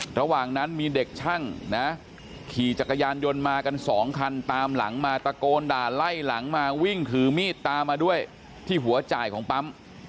ระหว่างนั้นมีเด็กช่างนะขี่จักรยานยนต์มากันสองคันตามหลังมาตะโกนด่าไล่หลังมาวิ่งถือมีดตามมาด้วยที่หัวจ่ายของปั๊ม